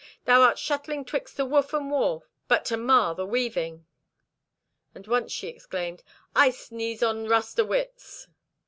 Thou art shuttling 'twixt the woof and warp but to mar the weaving." And once she exclaimed, "I sneeze on rust o' wits!"